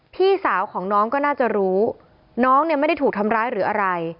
พี่สาวของน้องก็น่าจะรู้น้องเนี่ยไม่ได้ถูกทำร้ายหรืออะไร